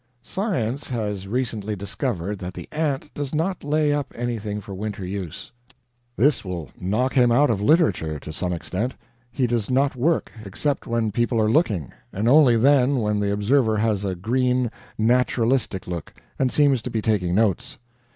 Science has recently discovered that the ant does not lay up anything for winter use. This will knock him out of literature, to some extent. He does not work, except when people are looking, and only then when the observer has a green, naturalistic look, and seems to be taking notes.